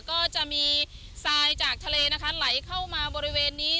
ก็จะมีทรายจากทะเลนะคะไหลเข้ามาบริเวณนี้